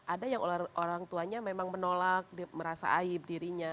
ada yang orang tuanya memang menolak merasa aib dirinya